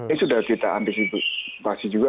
ini sudah kita antisipasi juga